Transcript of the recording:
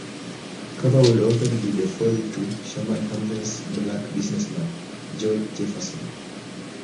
Cover would often be the foil to Sherman Hemsley's black businessman, George Jefferson.